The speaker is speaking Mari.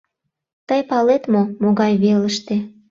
Тый палет мо, могай велыште?